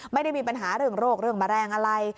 ไม่ได้มีปัญหาเรื่องโรคเรื่องแมลงอะไร